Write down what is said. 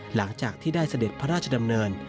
หลังจากที่ได้เสด็จพระราชดำเนิน